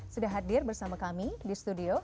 sudah hadir bersama kami di studio